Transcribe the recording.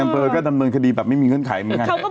พอยังเปิดก็ดำเนินคดีแบบไม่มีเงื่อนไขมันยังไง